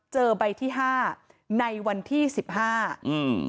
เจอใบที่ห้าในวันที่สิบห้าอืม